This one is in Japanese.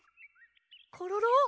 コロロ